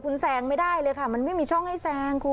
คุณแซงไม่ได้เลยค่ะมันไม่มีช่องให้แซงคุณ